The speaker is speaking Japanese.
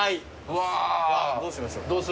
うわどうしましょう？